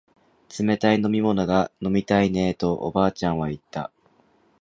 冷たい飲み物が飲みたいねえとおばあちゃんは言った